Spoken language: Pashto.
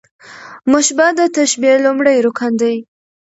مشبه د تشبېه لومړی رکن دﺉ.